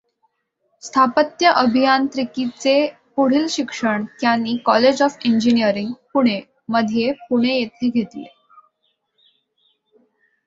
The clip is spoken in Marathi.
स्थापत्य अभियांत्रीकीचे पुढील शिक्षण त्यांनी कॉलेज ऑफ इंजिनीयरींग, पुणे मध्ये पुणे येथे घेतले.